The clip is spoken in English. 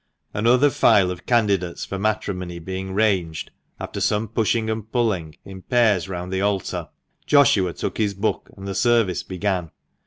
Another file of candidates for matrimony being ranged (after some pushing and pulling) in pairs round the altar, Joshua took his book, and the service began.